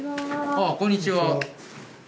ああこんにちは。